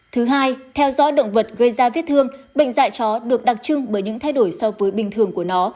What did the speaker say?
thứ hai theo dõi động vật gây ra vết thương bệnh dạy chó được đặc trưng bởi những thay đổi so với bình thường của nó